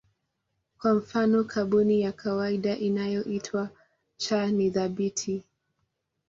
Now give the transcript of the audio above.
Kwa mfano kaboni ya kawaida inayoitwa C ni thabiti.